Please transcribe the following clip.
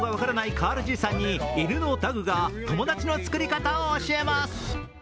カールじいさんに犬のダグが友達の作り方を教えます。